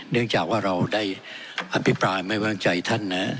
เนื่องจากว่าเราได้อภิปรายไม่วางใจท่านนะครับ